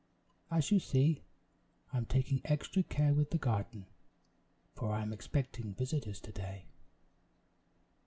As you see, I am taking extra care with the garden, for I expect visitors to day!"